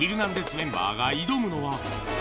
メンバーが挑むのは。